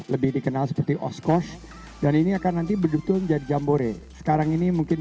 lebih dikenal seperti oskos dan ini akan nanti berduktur menjadi jamboree sekarang ini mungkin